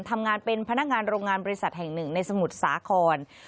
ทำงานเป็นพนักงานโรงงานบริษัทแห่งหนึ่งในสมุทรสาคร